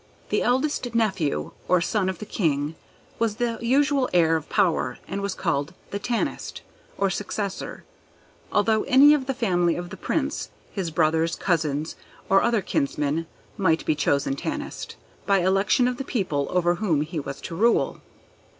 The eldest nephew, or son of the king, was the usual heir of power, and was called the Tanist, or successor; although any of the family of the Prince, his brothers, cousins, or other kinsmen, might be chosen Tanist, by election of the people over whom he was to rule.